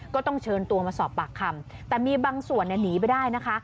ก็ต้องเชิญตัวมาสอบปากคำแต่มีบางส่วนเนี่ยหนีไปได้นะคะ